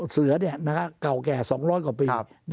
เสือเก่าแก่๒๐๐กว่าปี